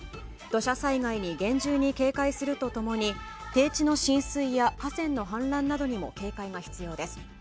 土砂災害に厳重に警戒すると共に低地の浸水や河川の氾濫などにも警戒が必要です。